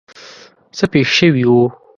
څه پېښ شوي وو.